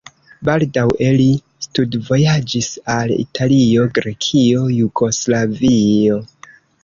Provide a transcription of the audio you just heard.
Baldaŭe li studvojaĝis al Italio, Grekio, Jugoslavio.